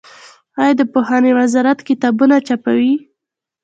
آیا د پوهنې وزارت کتابونه چاپوي؟